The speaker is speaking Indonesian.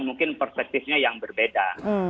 mungkin perspektifnya yang berbeda